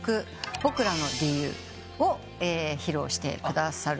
『僕らの理由』を披露してくださる。